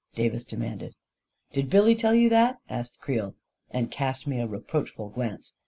" Davis demanded. " Did Billy tell you that ?" asked Creel, and cast me a reproachful glance.